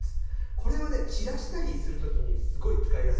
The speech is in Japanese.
これはね散らしたりする時にすごい使いやすい。